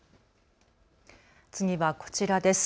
次はこちらです。